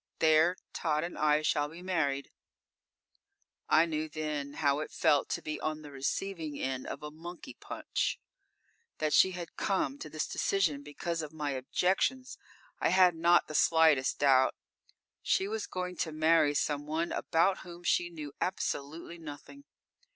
There Tod and I shall be married." I knew then how it felt to be on the receiving end of a monkey punch. That she had come to this decision because of my objections, I had not the slightest doubt. She was going to marry someone about whom she knew absolutely nothing.